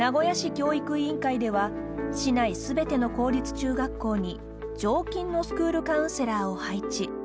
教育委員会では市内すべての公立中学校に常勤のスクールカウンセラーを配置。